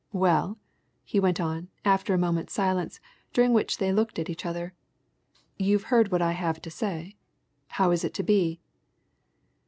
Well," he went on after a moment's silence, during which they looked at each other, "you've heard what I have to say. How is it to be?"